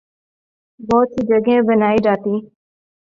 بہت سی جگہیں بنائی جاتی